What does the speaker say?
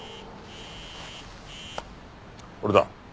俺だ。